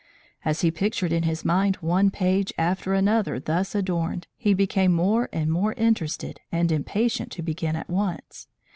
As he pictured in his mind one page after another thus adorned, he became more and more interested and impatient to begin at once.